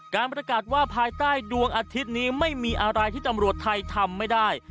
การประกาศว่าภายใต้ดวงอาทิตย์นี้ไม่มีอะไรที่ตำรวจไทยทำไม่ได้